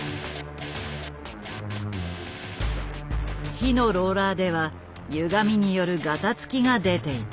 木のローラーではゆがみによるガタつきが出ていた。